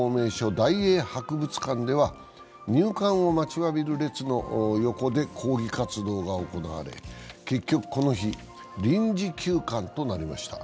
・大英博物館では、入館を待ちわびる列の横で抗議活動が行われ、結局この日、臨時休館となりました